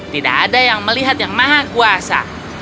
tidak ada yang melihat yang maha kuasa